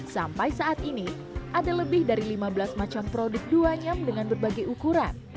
sampai saat ini ada lebih dari lima belas macam produk duanyam dengan berbagai ukuran